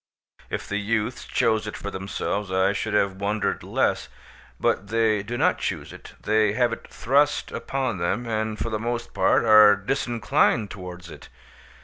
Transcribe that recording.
If the youths chose it for themselves I should have wondered less; but they do not choose it; they have it thrust upon them, and for the most part are disinclined towards it.